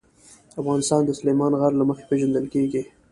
افغانستان د سلیمان غر له مخې پېژندل کېږي.